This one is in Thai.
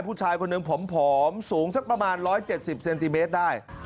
ผู้ชายคนหนึ่งผอมสูงสักประมาณ๑๗๐เซนติเมตรได้